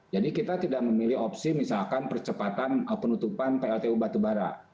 jadi kita tidak memilih opsi misalkan percepatan penutupan pltu batubara